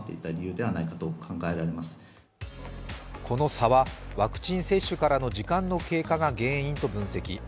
この差は、ワクチン接種からの時間の経過が原因と分析。